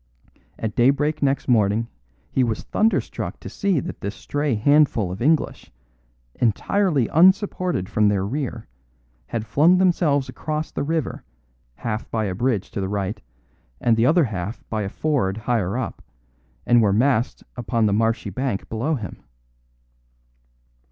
At daybreak next morning he was thunderstruck to see that this stray handful of English, entirely unsupported from their rear, had flung themselves across the river, half by a bridge to the right, and the other half by a ford higher up, and were massed upon the marshy bank below him.